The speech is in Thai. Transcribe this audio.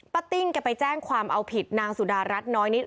ติ้งแกไปแจ้งความเอาผิดนางสุดารัฐน้อยนิด